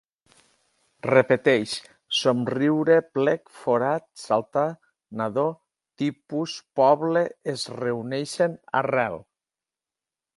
Repeteix: somriure, plec, forat, saltar, nadó, tipus, poble, es reuneixen, arrel